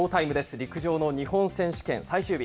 陸上の日本選手権、最終日。